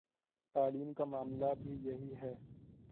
تعلیم کا معاملہ بھی یہی ہے۔